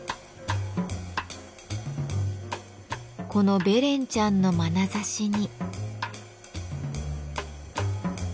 このべレンちゃんのまなざしに。